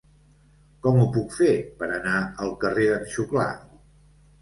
Com ho puc fer per anar al carrer d'en Xuclà?